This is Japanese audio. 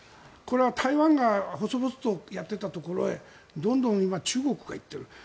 これは台湾が細々とやっていたところへどんどん今、中国が行っている。